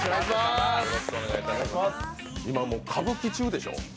今、歌舞伎中でしょ。